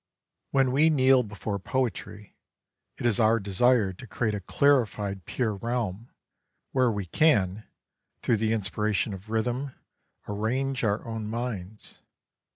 When we kneel before poetry, it is our desire to create a clarified pure realm where we can, through the inspiration of rhythm, arrange our own minds.